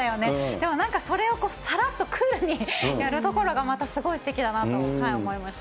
でもなんか、それをさらっとクールにやるところが、またすごいすてきだなと思いました。